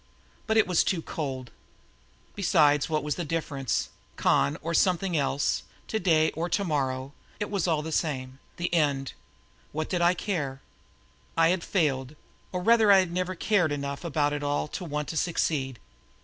But it was too cold. Besides, what was the difference? "Con" or something else, today or tomorrow, it was all the same the end. What did I care? I had failed or rather I had never cared enough about it all to want to succeed.